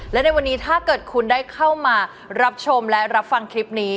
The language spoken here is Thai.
และในวันนี้ถ้าเกิดคุณได้เข้ามารับชมและรับฟังคลิปนี้